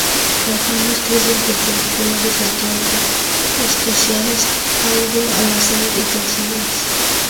Las ramas crecen perpendiculares al tronco, espaciadas algo al azar y torcidas.